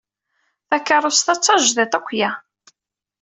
Takeṛṛust-a d tajdidt akya.